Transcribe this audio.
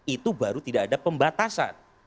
itu baru tidak ada pembatasan